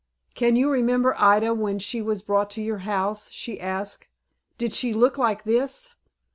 "Can you remember Ida when she was brought to your house?" she asked. "Did she look like this?"